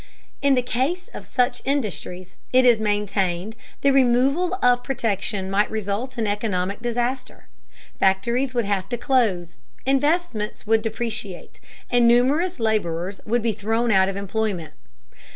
In the case of such industries, it is maintained, the removal of protection might result in economic disaster. Factories would have to close, investments would depreciate, and numerous laborers would be thrown out of employment.